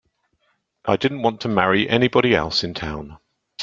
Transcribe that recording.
I didn't want to marry anybody else in town.